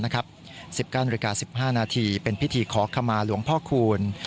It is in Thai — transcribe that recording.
๑๙นาฬิกา๑๕นาทีเป็นพิธีขอขมาหลวงพ่อคูณ